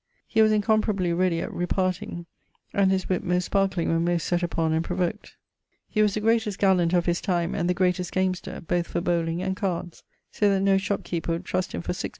He was incomparably readie at repartyng, and his witt most sparkling when most sett upon and provoked. He was the greatest gallant of his time, and the greatest gamester, both for bowling[LXXXVII.] and cards, so that no shop keeper would trust him for 6_d.